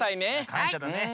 かんしゃだね。